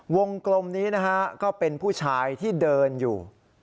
กลมนี้นะฮะก็เป็นผู้ชายที่เดินอยู่